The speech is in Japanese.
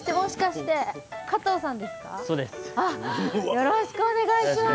よろしくお願いします。